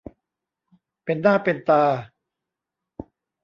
เป็นหน้าเป็นตา